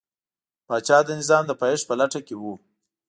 پاچا د نظام د پایښت په لټه کې و.